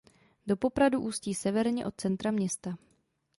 Do Popradu ústí severně od centra města.